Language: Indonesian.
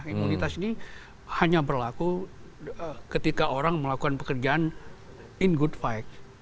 imunitas ini hanya berlaku ketika orang melakukan pekerjaan in good fight